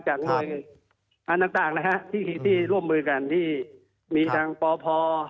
จากนวยอันต่างที่ร่วมมือกันที่มีทางปพ